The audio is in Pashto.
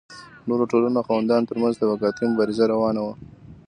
نورو ټولنو او خاوندانو ترمنځ طبقاتي مبارزه روانه وه.